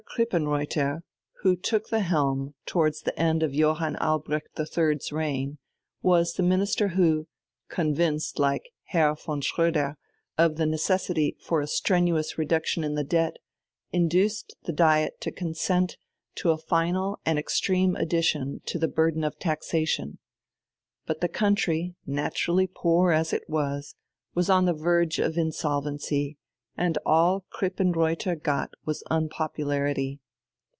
Krippenreuther, who took the helm towards the end of Johann Albrecht III's reign, was the Minister who, convinced like Herr von Schröder of the necessity for a strenuous reduction in the debt, induced the Diet to consent to a final and extreme addition to the burden of taxation. But the country, naturally poor as it was, was on the verge of insolvency, and all Krippenreuther got was unpopularity.